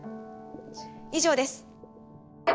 以上です。